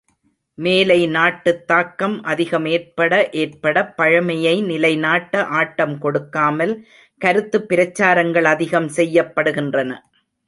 மேலை நாட்டுத் தாக்கம் அதிகம் ஏற்பட ஏற்படப் பழைமையை நிலைநாட்ட ஆட்டம் கொடுக்காமல் கருத்துப் பிரச்சாரங்கள் அதிகம் செய்யப்படுகின்றன.